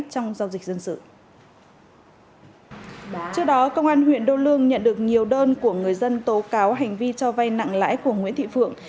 trước đó công an huyện đô lương nhận được nhiều đơn của người dân tố cáo hành vi cho vay nặng lãi của nguyễn thị phượng